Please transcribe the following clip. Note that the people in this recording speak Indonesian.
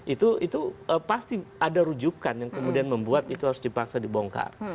itu pasti ada rujukan yang kemudian membuat itu harus dipaksa dibongkar